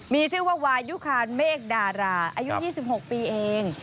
มีชื่อว่าวายุคารเมฆดาราอายุยี่สิบหกปีเอง